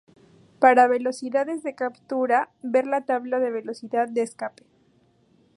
Para velocidades de captura ver la tabla en de velocidad de escape.